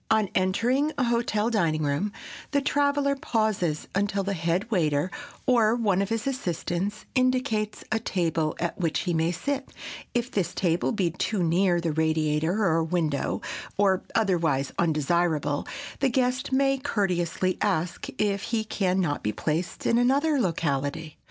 On entering a hotel dining room, the traveler pauses until the head waiter, or one of his assistants, indicates a table at which he may sit. If this table be too near the radiator or window, or otherwise undesirable, the guest may courteously ask if he can not be placed in another locality.